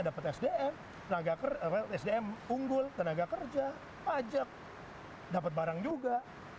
dapat sdm sdm unggul tenaga kerja pajak dapat barang juga